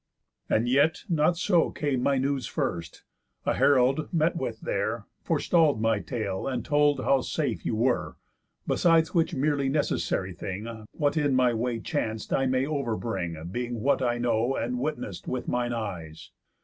And yet, not so Came my news first; a herald (met with there) Forestall'd my tale, and told how safe you were. Besides which merely necessary thing, What in my way chanc'd I may over bring, Being what I know, and witness'd with mine eyes.